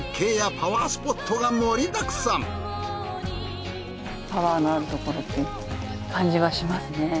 パワーのあるところっていう感じがしますね。